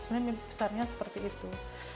sebenarnya besarnya seperti itu